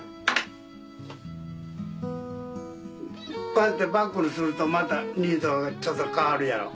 こうやってバックにするとまた人相がちょっと変わるやろ？